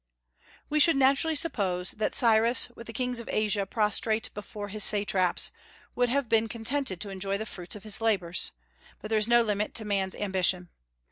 We should naturally suppose that Cyrus, with the kings of Asia prostrate before his satraps, would have been contented to enjoy the fruits of his labors; but there is no limit to man's ambition.